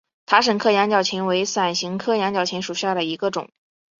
塔什克羊角芹为伞形科羊角芹属下的一个种。